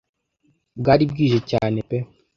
bwari bwije cyane pe